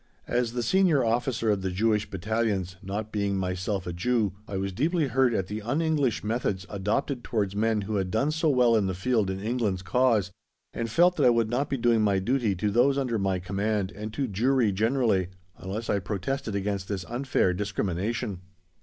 As the Senior Officer of the Jewish Battalions, not being myself a Jew, I was deeply hurt at the un English methods adopted towards men who had done so well in the field in England's cause, and felt that I would not be doing my duty to those under my command, and to Jewry generally, unless I protested against this unfair discrimination.